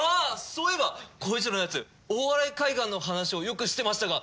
そういえば耕一郎のやつ大洗海岸の話をよくしてましたが。